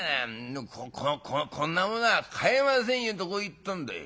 このこの『こんなものは買えませんよ』とこう言ったんだい。